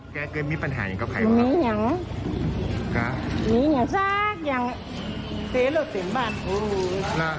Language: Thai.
แกเคยมีปัญหาอย่างกับใครหรอครับมีอย่างครับมีอย่างซักอย่างเตรียร์เราเต็มบ้าน